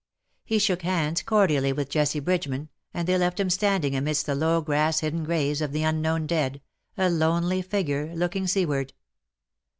He shook hands cordially with Jessie Bridgeman, and they left him standing amidst the low grass hidden graves of the unknown dead — a lonely figure looking seaward.